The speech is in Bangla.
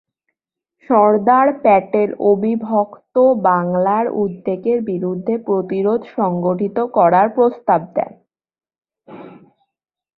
সর্দার প্যাটেল অবিভক্ত বাংলার উদ্যোগের বিরুদ্ধে প্রতিরোধ সংগঠিত করার প্রস্তাব দেন।